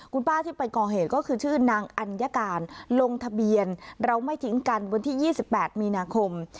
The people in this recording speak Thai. คุณป้าที่ไปก่อเหตุก็คือชื่อนางอัญญาการลงทะเบียนเราไม่ทิ้งกันวันที่๒๘มีนาคม